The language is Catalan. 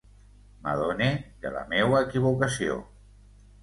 M'adone de la meua equivocació.